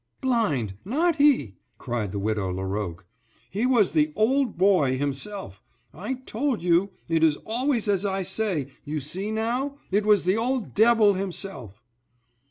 "Blind! Not he!" cried the Widow Laroque. "He was the Old Boy himself; I told you—it is always as I say, you see now—it was the old Devil himself."